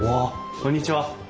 こんにちは。